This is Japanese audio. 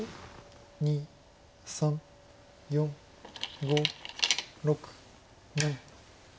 ２３４５６７。